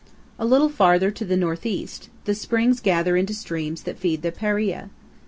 A little farther to the northeast the springs gather into streams that feed the Paria.